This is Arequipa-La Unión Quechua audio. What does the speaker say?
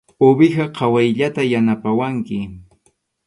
Uwiha qhawayllata yanapawanki.